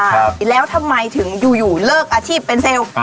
แล้วทำไมถึงอยู่เลิกอาชีพเป็นเซลล์